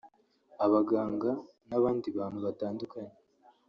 abaganga n’abandi bantu batandukanye